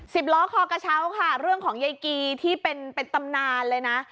ล้อคอกระเช้าค่ะเรื่องของยายกีที่เป็นเป็นตำนานเลยนะ